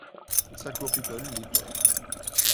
Tsakhur people live there.